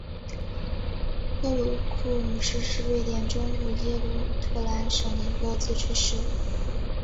克鲁库姆市是瑞典中部耶姆特兰省的一个自治市。